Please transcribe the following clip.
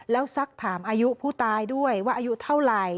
แล้วสักถามอายุผู้ตายด้วยว่าอายุเท่าไหร่